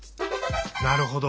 なるほど！